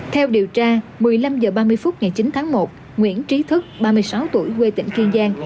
theo điều tra một mươi năm h ba mươi phút ngày chín tháng một nguyễn trí thức ba mươi sáu tuổi quê tỉnh kiên giang